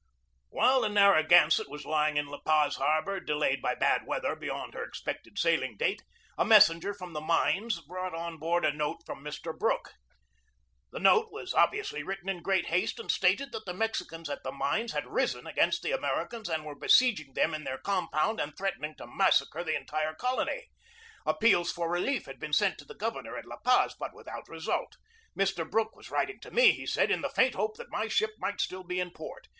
While the Narragansett was lying in La Paz har bor, delayed by bad weather beyond her expected sailing date, a messenger from the mines brought on board a note from Mr. Brook. The note was ob viously written in great haste and stated that the Mexicans at the mines had risen against the Ameri cans and were besieging them in their compound and threatening to massacre the entire colony. Appeals for relief had been sent to the governor at La Paz, SERVICE AFTER THE WAR 147 but without result. Mr. Brook was writing to me, he said, in the faint hope that my ship might still be in port.